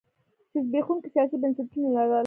چې زبېښونکي سیاسي بنسټونه لرل.